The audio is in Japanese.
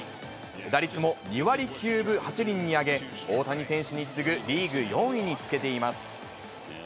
打率も２割９分８厘に上げ、大谷選手に次ぐリーグ４位につけています。